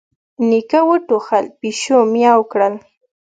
نيکه وټوخل، پيشو ميو کړل.